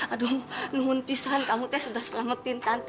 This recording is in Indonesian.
aduh luhun pisahan kamu teh sudah selamatin tante